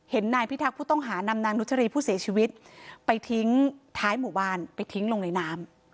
นายพิทักษ์ผู้ต้องหานำนางนุชรีผู้เสียชีวิตไปทิ้งท้ายหมู่บ้านไปทิ้งลงในน้ำ